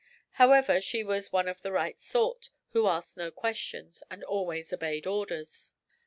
However, she was 'one of the right sort,' who 'asked no questions,' and 'always obeyed orders.'